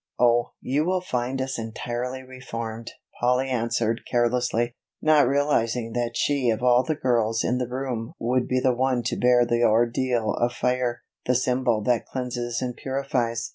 "Oh, you will find us entirely reformed," Polly answered carelessly, not realizing that she of all the girls in the room would be the one to bear the ordeal of fire, the symbol that cleanses and purifies.